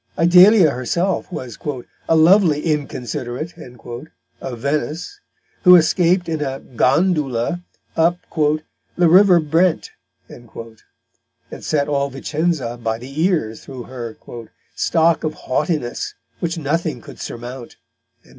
Idalia herself was "a lovely Inconsiderate" of Venice, who escaped in a "Gondula" up "the River Brent," and set all Vicenza by the ears through her "stock of Haughtiness, which nothing could surmount."